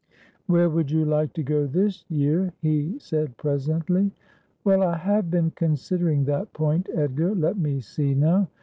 ' Where would you like to go this year ?' he said presently. ' Well, I have been considering that point, Edgar. Let me see now.